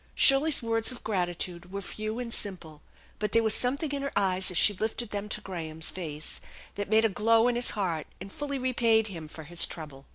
Shirley's words of gratitude were few and simple, but there was something in her eyes as she lifted them to Graham's face that made a glow in his heart and fully repaid him for his trouble.